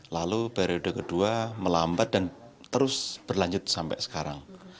lalu periode kedua melambat dan terus berlanjut sampai sekarang